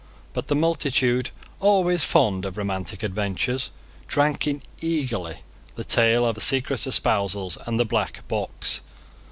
But the multitude, always fond of romantic adventures, drank in eagerly the tale of the secret espousals and the black box.